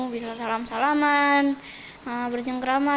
bisa salam salaman berjengkrama